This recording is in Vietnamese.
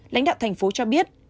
lãnh đạo thành phố cho biết